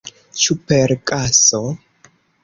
Ĉu per gaso?